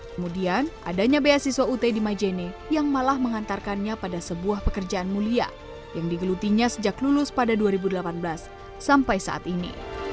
kemudian adanya beasiswa ut di majene yang malah mengantarkannya pada sebuah pekerjaan mulia yang digelutinya sejak lulus pada dua ribu delapan belas sampai saat ini